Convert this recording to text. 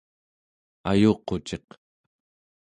ayuquciq